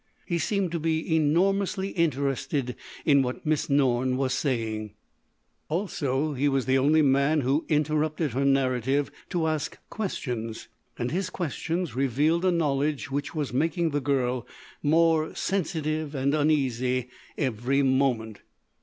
He seemed to be enormously interested in what Miss Norne was saying. Also he was the only man who interrupted her narrative to ask questions. And his questions revealed a knowledge which was making the girl more sensitive and uneasy every moment.